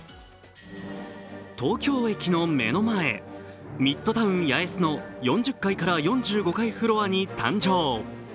東京駅の目の前、ミッドタウン八重洲の４０階から４５階フロアに誕生。